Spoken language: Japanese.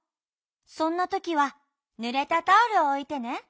そんなときはぬれたタオルをおいてね。